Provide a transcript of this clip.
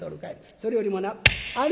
それよりもなあね